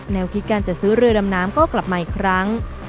คิดการจัดซื้อเรือดำน้ำก็กลับมาอีกครั้ง